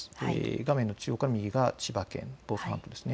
画面の中央から右が千葉県房総半島です。